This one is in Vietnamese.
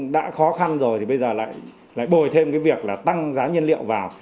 đã khó khăn rồi thì bây giờ lại bồi thêm cái việc là tăng giá nhiên liệu vào